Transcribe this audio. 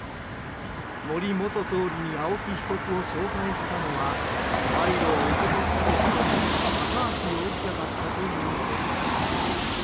森元総理に青木被告を紹介したのは賄賂を受け取ったとされる高橋容疑者だったというのです。